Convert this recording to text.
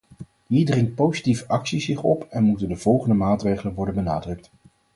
Hier dringt positieve actie zich op en moeten de volgende maatregelen worden benadrukt.